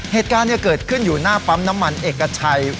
เหตุการณ์เกิดขึ้นอยู่หน้าปั๊มน้ำมันเอกชัย